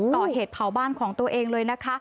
ก่อเหตุเผาบ้านของตัวเองเลยนะคะ